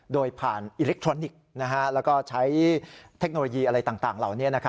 โดยผ่านอิเล็กทรอนิกส์แล้วก็ใช้เทคโนโลยีอะไรต่างเหล่านี้